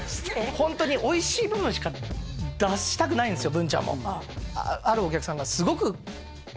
ホントにおいしい部分しか出したくないんですぶん